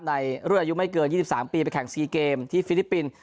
ในรุ่นอายุไม่เกิน๒๓ปีไปแข่ง๔เกมที่ฟิลิปปินส์